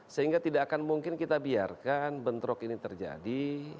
sehingga tidak akan mungkin kita biarkan bentrok ini terjadi